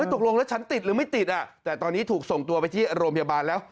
ตกลงแล้วฉันติดหรือไม่ติดแต่ตอนนี้ถูกส่งตัวไปที่โรงพยาบาลแล้ว